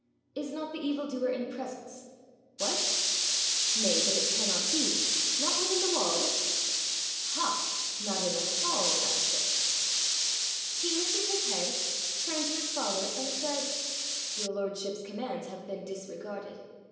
Is not the evil doer in presence? What? Nay, but it cannot be? Not within the walls? Ha! "Not in the HALL" thou sayest!' He lifted his head, turned to his father, and said, 'Your lordship's commands have been disregarded.